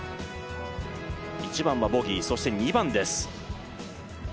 １番はボギー、そして２番です